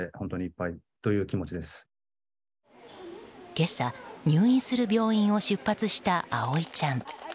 今朝、入院する病院を出発した葵ちゃん。